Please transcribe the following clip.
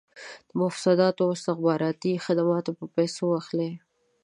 د مفسدانو استخباراتي خدمات په پیسو اخلي.